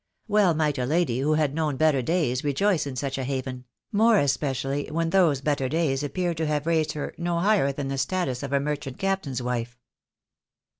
Well might a lady who had known better days rejoice in such a haven; more especially when those better days appeared to have raised her no higher than the status of a merchant captain's wife.